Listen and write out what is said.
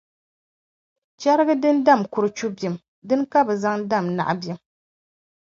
Chɛriga din dam kurchu bim dini ka bɛ zaŋ dam naɣ’ bim.